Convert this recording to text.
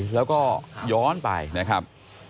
แล้วก็ย้อนไปนะครับ